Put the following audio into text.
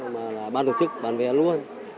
mà là ban tổ chức bán vé luôn